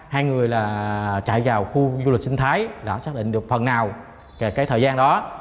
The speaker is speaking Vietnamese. hai người là chạy vào khu du lịch sinh thái đã xác định được phần nào về cái thời gian đó